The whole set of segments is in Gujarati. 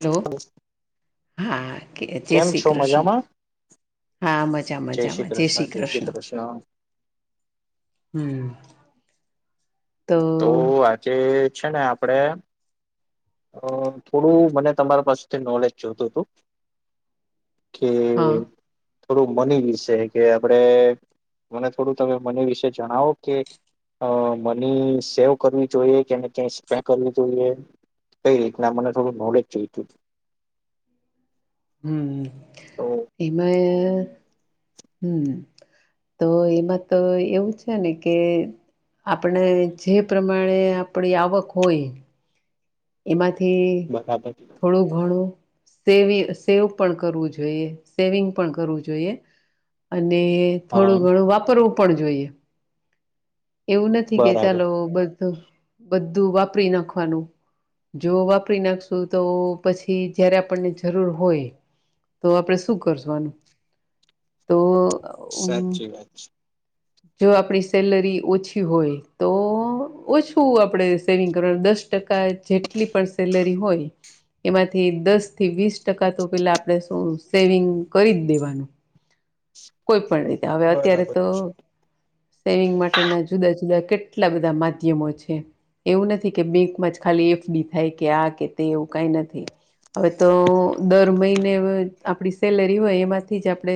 હલો હા કે જય કેમ શ્રી છો કૃષ્ણ. મજામાં હા મજા મજામાં જય શ્રી કૃષ્ણ. હમ. તો આજે છે ને આપડે અ થોડું મને તમારા પાસેથી નોલેજ જોતું હતું કે થોડું મની વિશે કે આપડે મને થોડું તમે મને વિશે જણાવો કે અ મની સેવ કરવી જોઈએ કેને ક્યાંઈ સ્પે કરવી જોઈએ? કઈ રીતના મને થોડું નોલેજ જોધું તું. હમ્મ એમાં હમ્મ. તો એમાં તો એવું છે ને કે આપણે જે પ્રમાણે આપણી આવક હોય એમાંથી બરાબર થોડું ઘણું સેવિ સેવ પણ કરવું જોઈએ. સેવિંગ પણ કરવું જોઈએ અન ને હા થોડું ઘણું વાપરવું પણ જોઈએ. એવું નથી કે બરાબર ચાલો બધ બધું વાપરી નાખવાનું. જો વાપરી નાખશુ તો પછી જયારે આપણને જરૂર હોય તો આપડે શું કરશું આનું, તો સાચી વાત છે. જો આપણી સેલરી ઓછી હોય તો ઓછું આપણે સેવિંગ કરવાનું દસ ટકા જેટલી પડશે સેલેરી હોય એમાંથી દસ થી વીસ ટકા તો પેલા આપણે શું સેવિંગ કરી જ દેવાનું. કોઈ પણ રીતે હવે અત્યારે બરાબર તો સેવિંગ માટ માટે ના જુદા જુદા કેટલા બધા માધ્યમો છે. એવું નથી કે બેંકમાં જ ખાલી એફડી થાય કે આ કે તે એવું કઈ નથી. હવે તો દર મહિને આપડી સેલરી હોય એમાંથી જ આપડે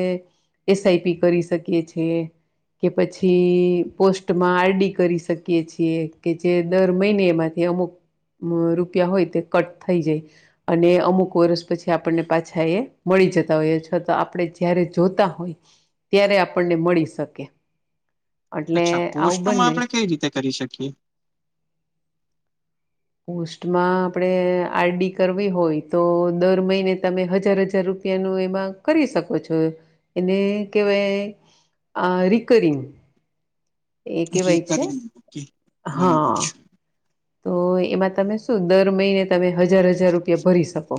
એસ આઈ પી કરી શકીએ છે કે પછી પોસ્ટમાં આર ડી કરી શકીએ છીએ કે જે દર મહિનેમાંથી અમુક રૂપિયા હોય તે કટ થઈ જાય અને અમુક વર્ષ પછી આપણને પાછા એ મળી મળી જતા હોયએ. છતા આપણે જયારે જોતા હોય ત્યારે આપણને મળી શકે. [inaudible] એટલે અચ્છા આવું પોસ્ટમાં બંને આપણે કઈ રીતે કરી શકીએ? પોસ્ટમાં આપણેે આર ડી કરવી હોય તો દર મહિને તમે હજાર હજાર રૂપ રૂપિયાનું એમાં કરી શકો છો. એને કેવાય આ રિકરિંગ. એ કેવાય છે, રિકરિંગ ઓકે બરાબર હા. છે તો એમાં તમે શું દર મહિને તમે હજાર હજાર રૂપિયા ભરી શકો.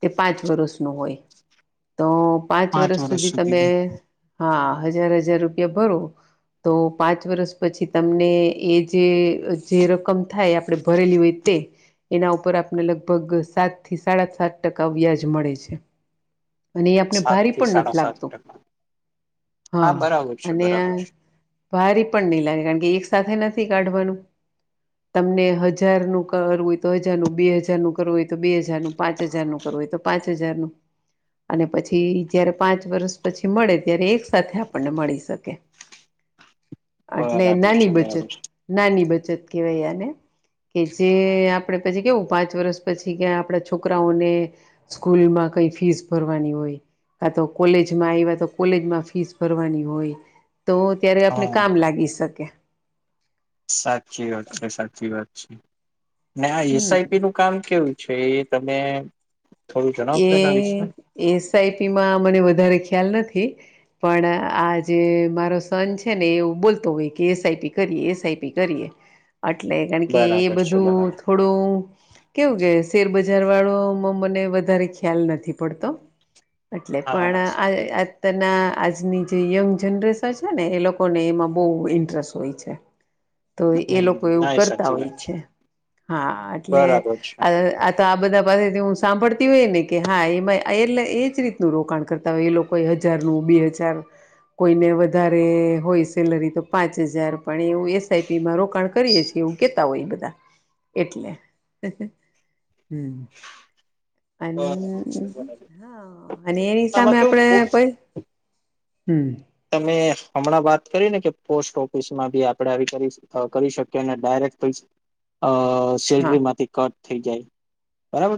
તે પાંચ વર્ષનું હોય. તો પાંચ વર્ષ સુધી તમે, હા હજાર હજાર રૂપિયા ભરો તો પાંચ વર્ષ પછી તમને એ જે જે રકમ થાય આપણે ભરેલી હોય તે. એના ઉપર આપને લગભગ સાત થી સાડા સાત ટકા વ્યાજ મળે છે. અને એ આપને સાત ભારી થી પણ સાડા નથી સાત લાગતું. ટકા હા બરાબર છે અને આ બરાબર છે. ભારી પણ નહી લાગે કારણ કે એક સાથે નથી કાઢવાનું તમને હજારનું કરવું હોય તો હજારનું, બે હજાર નું કરવું હોય તો બે હજારનું, પાંચ હજારનું કરવું હોય તો પાંચ હજાર નું. અને પછી જ્યારે પાંચ વર્ષ પછી મળે ત્યારે એક સાથે આપણને મળી શકે. હ એટલે નાની બચત નાની બચત કેવાય આને. કે જે આપડે પછી કેવું પાંચ વર્ષ પછી કે આપડા છોકરાઓને સ્કૂલ માં ફીસ ભરવાની હોય. કા તો કોલેજમાં આયવા તો કોલેજમાં ફીસ ભરવાની હોય. તો ત્યારે આપને કામ હા લાગી શકે. સાચી વાત છે, સાચી વાત છે. ને આ હમ એસઆઈપી નું કામ કેવું છે એ તમે થોડું એ જણાવશો એના વિશે એસઆઈપી માં મને વધારે ખ્યાલ નથી પણ આ જે મારો સન છે ને એવું બોલતો હોય કે એસઆઈપી કરીએ એસઆઈપી કરીએ એટલે કારણ કે એ બરાબર છે બધું બરાબર થોડું કેવું કે શેરબજાર વાળોમાં મને વધારે ખ્યાલ નથી પડતો એટલે હા સાચી વાત પણના આજની જે યંગ જનરેશન છે ને એ લોકોને એમાં બહુ ઇન્ટરેસ્ટ હોય છે તો એ હમ લોકો એવું ના એ કરતા સાચી હોય વાત છે હા એટલે બરાબર છે. બરાબર આ તો આ બધા પાસેથી હું સાંભળતો હોયને કે હા એમાં એટલે એજ રીતનું રોકાણ કરતા હોય એ લોકો હજારનું બે હજાર કોઈને વધારે હોય સેલરી તો પાંચ હજાર પણ એવું એસઆઈપી માં રોકાણ કરીએે છીએ એવું કેતા હોય બધા એટલે હમ હ છે બરાબર અને એની આમાં સામે કેવું આપડે કોઈ હમ તમે હમણાં વાત કરી ને કે પોસ્ટ ઓફિસ માં ભી આપડે આવી કરી શકીએ ડાયરેક અ હા સેલરી માંથી કટ થ જાય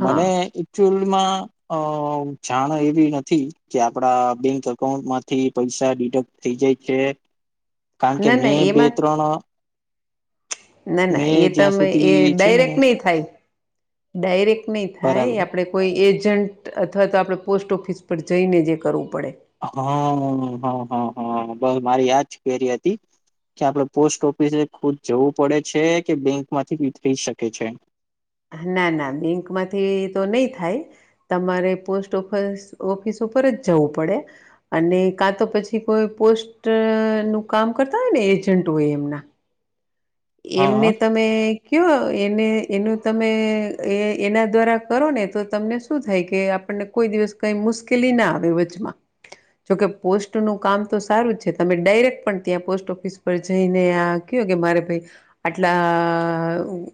હા મ જાણ એવી નથી કે આપડા બેંક અઉ માંથી પૈસા ડિડક્ટ થઈ જાય છે કારણ કે ના ના મેં બે એમાં ત્રણ ના ના મેં એ જ્યાં તમે એ સુધી છે ને ડાયરેક્ટ નહી થાય ડાયરેક્ટ નહી થાય બરાબર આપડે કોઈ એ જ એજન્ટ અથવા તો આપણે પોસ્ટ ઓફિસ પર જઈને જે કરવું પડે હા હ હા હા બસ મારી યાદ પેરી હતી કે આપડણે પોસ્ટ ઓફિસ ખુદ જવું પડે છે કે બેંક માંથીી થઈ શકે છે ના ના બેંક માંથી તો નહી થાય તમારે પોસ્ટ ઓફિસ ઓફિસ ઉપર જ જવું પડે અને કા તો પછી કોઈ પોસ્ટ નું કામ કરતા હોય ને એજન્ટ હોય એમના હા એમને તમે ક્યો એને એનું તમે એ એના દ્વારા કરો ને તો તમને શું થાય કે આપણને કોઈ દિવસ કાઈ મુશ્કેલી ના આવે વચમાં જોકે પોસ્ટનું કામ તો સારું જ છે તમે ડાયરેક્ટ પણ ત્યાં પોસ્ટ ઓફિસ પર જઈને આ ક્યો મારે ભઈ આટલા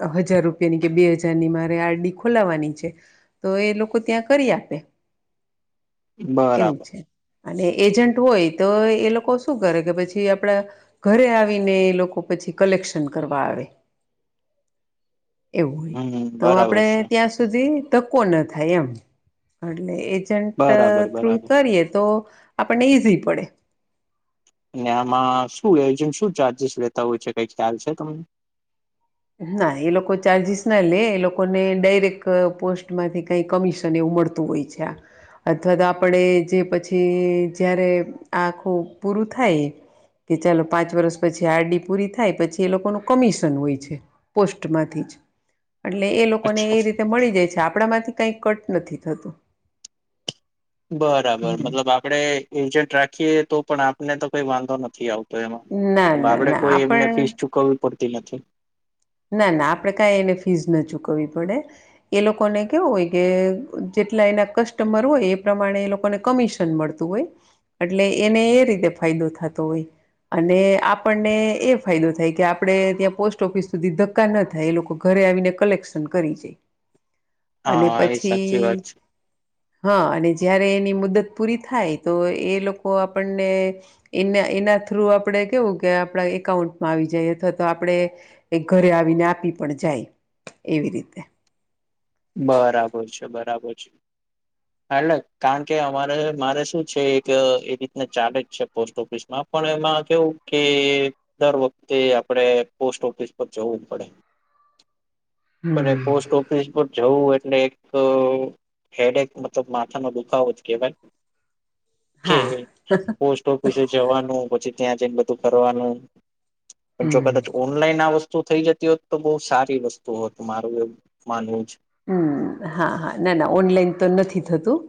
આઆ હજાર રૂપિયાની કે બે હજાર ની મારે આર ડી ખોલાવાની છે તો એ લોકો ત્યાં કરી આપે [inaudible] એવું બરાબર છે અને એજન્ટ હોય તો એ લોકો શું કરે કે પછી આપડા ઘરે આવીને એ લોકો પછી કલેક્શન કરવા આવે એવું હોય હમ તો બરાબર આપણે છે ત્યાં સુધી ધક્કો ન થાય એમ અટલે એજન્ટ બરાબર થ્રુ બરાબર કરીએ તો આપણને ઈઝી પડે ને આમાં શું એજન્ટ શું ચાર્જીસ લેતા હોય છે કઈ ખ્યાલ છે તમને ના એ લોકો ચાર્જિસ ના લે એ લોકોને ડાયરેક્ટ પોસ્ટ માંથી કઈ કમિશન એવું મળતુ હોય છે અથવા તો આપણે જે પછી જયારે આ આખું પૂરું થાય કે ચાલો પાંચ વર્ષ પછી આર ડી પૂરી થાય પછી એ લોકોનું કમિશન હોય છે પોસ્ટમાંથી જ અટલે એ લોકોને અચ્છા એ રીતે મળી જાય છે આપ આપડામાંથી કાઈ કટ નથી થતું બરાબર હમ મતલબ આપડે એજન્ટ રાખીએ તો પણ આપને તો કઈ વાંધો નથી આવ તો એમાં ના ના આપડે ના કોઈ એમને આપણ ફીસ ચુકવવી પડતી નથી ના ના આપડે કાઈ એને ફીઝ ન ચૂકવવી પડે એ લોકોને કેવું હોય કે જે જેટલા એના કસ્ટમર હોય એ પ્રમાણે એ લોકોને કમિશન મળતું હોય અટલે એને એ રીતે ફાયદો થાતો હોય અને આપણને એ ફાયદો થાય કે આપણે ત્યાં પોસ્ટ ઓફિસ સુધી ધક્કા ન થાય એ લોકો ઘરે આવીને કલેક્શન કરી જાય અને હા એ સાચી વાત પછી છે. હઅઅ અને જ્યારે એની મુદત પૂરી થાય તો એ લોકો આપણને એના એના થ્રુ આપણે કેવું કે આપડા એકાઉન્ટમાં આવી જાય અથવા તો આપડે ઘરે આવીને આપી પણ જાય એવી રીતે બરાબર છે બરાબર છે એટલે કારણ કે અમારે મારે શું છે એક એ રીતના ચાલે‌ જ છે પોસ્ટ ઓફિસ માં પણ એમાં કેવું કે દર વખતે આપણેે પોસ્ટ ઓફિસ પર જવું પડે પને હમ પોસ્ટ ઓફિસ જવું એટલે એક હેડેક મતલબ માથાનો દુખાવો જ કેવાય કે હા પોસ્ટ ઓફિસે જવાનું પછી ત્યાં જઈન બધું કરવાનું પણ જો હમ કદાચ ઓનલાઈન આ વસ્તુ તુ થઈ જતી હોત તો બઉ સારી વસ્તુ હોત મારું એવું માનવું છે હમ્મ હા હા ના ના ઓનલાઈન તો નથી થતું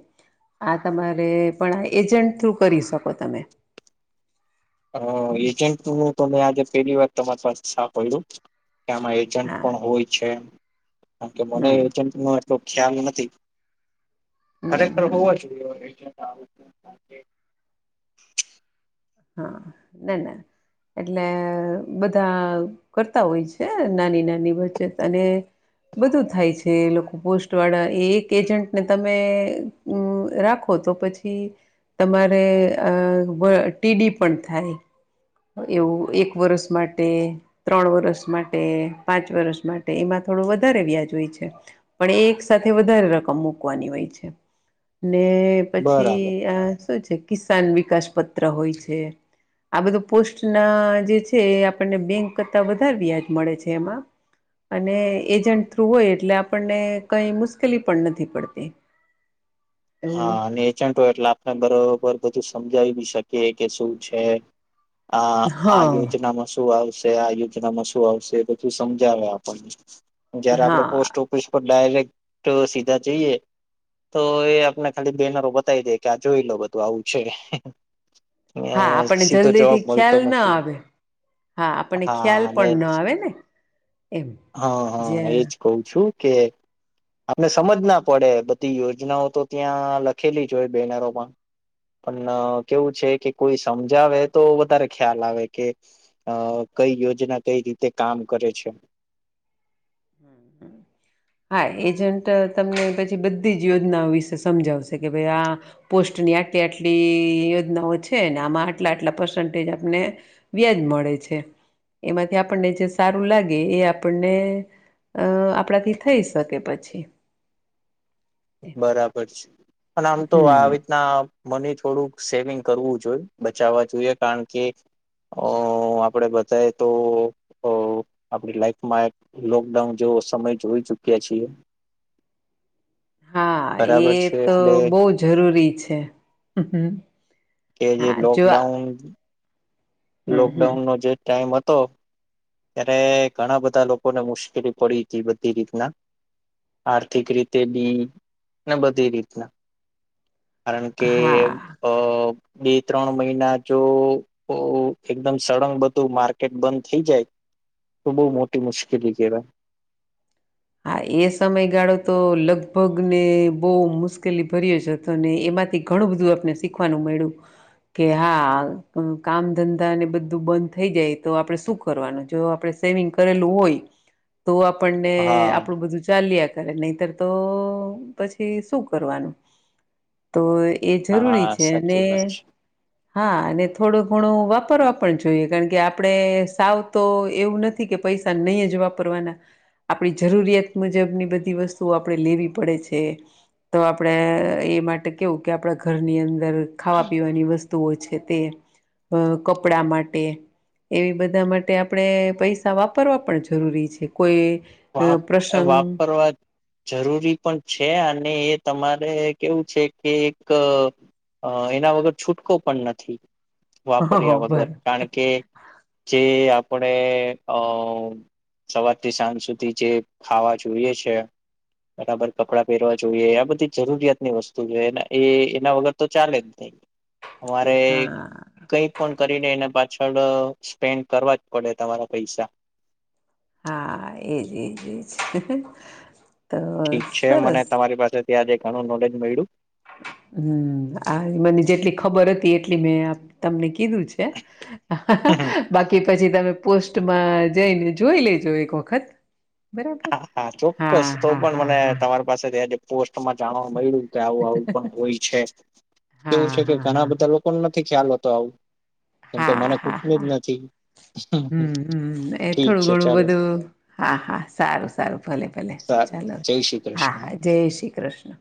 આ તમારે પણ આ એજન્ટ થ્રુ કરી શકો તમે અઅ એજન્ટ નું તો મેં આજે પેલી વાર તમાર પાસે સાંભળ્યું કે આમાં એજન્ટ હા પણ હોય છે કારણ કે મને હમ એજન્ટ નો તો ખ્યાલ નથી હમ ખરેખર હમ હોવા જોઈએ આ વસ્તુ. હા ના‌ ના એટલે બધા કરતા હોય છે નાની નાની બચત અને બધું થાય છે એ લોકો પોસ્ટ વાળા એ એક એજન્ટ ને તમે અમ્મ રાખો તો પછી તમારે અઅઅ વ ટી ડી પણ થાય એવું એક વરસ માટે ત્રણ વરસ માટે પાંચ વર્ષ માટે એમાં થોડું વધારે વ્યાજ હોય છે પણ એ એક સાથે વધારે રકમ મૂકવાની હોય છે [inaudible] ને પછી બરાબર આ શું છે કિસાન વિકાસ પત્ર હોય છે. આ બધું પોસ્ટના જે છે એ આપણને બેંક કરતા વધારે વ્યાજ મળે છે એમાં. અને એજન્ટ થ્રુ હોય એટલે આપણને કઈ મુશ્કેલી પણ નથી પડતી. એવું હા ને એજન્ટ હોય એટલે આપણે બરોબર બધું સમજાવી બી શકે કે શું છે આ આ હા યોજનામાં શું આવ શે આ યોજનામાં શું આવશે એ બધું સમજાવે આપને જયારે આપણે પોસ્ટ હા ઓફિસ પર ડાયરેક્ટ સીધા જઈએ તો એ ને ખાલી બેનરો બતાઈ દે કે આ જોઈ લો બધું આવું છે. હા આપણને સીધો જવાબ જલ્દીથી મળતો ખ્યાલ ના નથી આવે. હા આપણને ખ્યાલ પણ ન આવે ને. એમ હ જે હ એજ કવ છું કે આપને સમજ ના પડે બધી યોજનાઓ તો ત્યાં લખેલી જ હોય બેનરો પણ પણ કેવું છે કે કોઈ સમજાવે તો વધારે ખ્યાલ આવે કે અ કઈ યોજના કઈ રીતે કામ કરે છે. [unintelligible] હા એજન્ટ તમને પછી બધી જ યોજનાઓ વિશે સમજાવશે કે ભઈ આ પો સ્ટની આટલી આટલી યોજનાઓ છે ને આમાં આટલા આટલા પર્સન્ટેજ આપને વ્યાજ મળે. ળે છે એમાંથી આપણને જે સારું લાગે એ આપણને અ આપણાથી થઈ શકે પછી. બરાબર છે પણ આમ તો હમ આવી રીતના મની થોડું સેવિંગ કરું જોઈ બચાવા જોઈ કરણ કી અ આપડે બતાયે તો તો આપણી લાઈફમાં એક લોકડાઉન જેવો વો સમય જોઈ ચુક્યા છીએ. હા એ બરાબર છે તો એટલે બહુ જરૂરી છે હમ હમ. કે જે હા જો આ લોકડાઉન હમ હમ લોકડાઉનનો જે ટાઈમ હતો ત્યારે ઘણા બધા લોકોને મુશ્કેલી પડી હતી બધી રીતના આર્થિક રીતે બી ને બધી રીતના. કારણ કે હા અ બે ત્રણ મહિના જો એકદમ સળંગ બધું માર્કેટ બંધ થઈ જાય તો બહુ મોટી મુશ્કેલી કહેવાય. હા એ સમયગાળો તો લગભગને બહુ મુશ્કેલી ભર્યો જ છે હતો ને એમ માંથી ઘણું બધું આપને શીખવાનું મયળુ કે હા કામ ધંધાને બધું બંધ થઈ જાય તો આપણે શું કરવાનું જો આપણે સેવિંગ કરેલું હોય તો આપણને હા આપણું બધું ચાલ્યા કરે નહીતર તો પછી શું કરવાનું? તો એ જરૂરી હા છે ને સાચી વાત છે હા અને થોડું ઘણું વાપરવા પણ જોઈએ કારણ કે આપણે સાવ તો એવું નથી કે પૈસા નહીં જ વાપરવાના આપડી જરૂરિયાત મુજબની બધી વસ્તુઓ આપણે લેવી પડે છે. તો આપણે એ માટે કેવું કે આપણા ઘરની અંદર ખાવાપીવાની વસ્તુઓ છે તે તેલ અ કપડા માટે એવી બધા માટે આપણેે પૈસા વાપરવા પણ જરૂરી છે કોઈ અ વા પ્રસંગ વાપરવા જરૂરી પણ છે અને એ તમારે કેવું છે કે એક અ એના વગર છૂટકો પણ નથી. હા હા વાપર્યા વગર બર કારણ કે જે આપણે અ સવારથી સાંજ સુધી જે ખાવા જોઈએ છે. બરાબર કપડા પહેરવા જોઈએ આ બધી જરૂરિયાતની વસ્તુ જો એ એના વગર તો ચાલે જ નહીં. અમારે હા કઈ પણ કરીને એને પા પાછળ સ્પેન્ડ કરવા જ પડે તમારા પૈસા. હા એજ એજ એજ હ, હ. ઠીક છે મને તમારી પાસેથી્યાં આજે ઘણું નોલેજ મળ્યું. હમ આ મને જેટલી ખબર હતી એટલી મેં તમને કી કીધું છે હ, હ, હ બાકી પછી તમે પોસ્ટમાં જઈને જોઈ લેજો એક વખત. બરાબર હા હા ચોક્કસ હા હા હા હા. માં જાણવા મળ્યું કે આવું આવું પણ હોય છે. એવું હા છે કે હા ઘણા હા બધા લોકો ન નથી ખ્યાલતો આવું કેમકે મને [unintelligible] જ નથી. હમ્મ હમ એ ઠીક થોડું છે ઘણું ચાલો બધું હા હા સારું. સારું સારું ભલે ભલે સારું ચાલો જય શ્રી હા કૃષ્ણ હા જય શ્રી કૃષ્ણ.